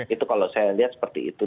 itu kalau saya lihat seperti itu